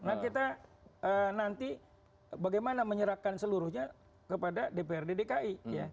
nah kita nanti bagaimana menyerahkan seluruhnya kepada dprd dki